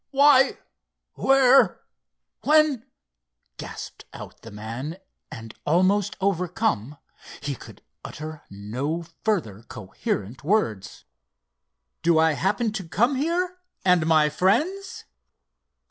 "Why—where—when!" gasped out the man, and, almost overcome, he could utter no further coherent words. "Do I happen to come here—and my friends?